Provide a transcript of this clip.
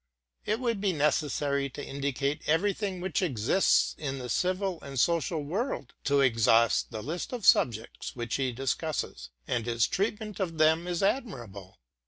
It would be necessary to indicate every thing which exists in the civil and social world, to exhaust the list of subjects which he discusses. And his treatment of them is admirable.